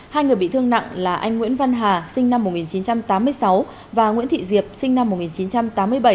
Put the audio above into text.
hai người bị thương nặng là anh nguyễn văn hà sinh năm một nghìn chín trăm tám mươi sáu và nguyễn thị diệp sinh năm một nghìn chín trăm tám mươi bảy